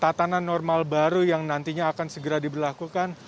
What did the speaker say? tatanan normal baru yang nantinya akan segera diberlakukan